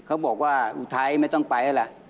เขาบอกว่าอุ๋ไทไม่ต้องไปเหรอ